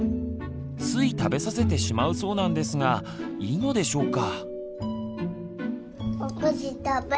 つい食べさせてしまうそうなんですがいいのでしょうか？